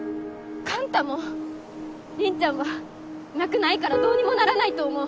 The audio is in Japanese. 幹太も凛ちゃんは脈ないからどうにもならないと思う。